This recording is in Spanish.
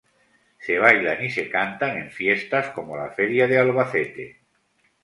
Se bailan y se cantan en fiestas como la Feria de Albacete.